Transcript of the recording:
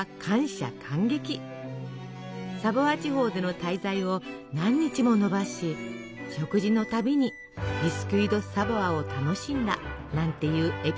サヴォワ地方での滞在を何日も延ばし食事の度にビスキュイ・ド・サヴォワを楽しんだなんていうエピソードも。